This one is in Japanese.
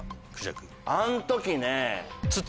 あん時ね。